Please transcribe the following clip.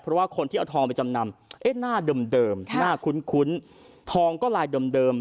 เพราะว่าคนที่เอาทองไปจำนำหน้าเดิมหน้าคุ้นทองก็ลายเดิม